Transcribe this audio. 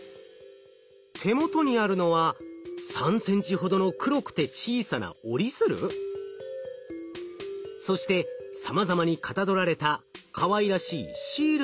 手元にあるのは３ｃｍほどの黒くて小さな折り鶴？そしてさまざまにかたどられたかわいらしいシールのようなもの。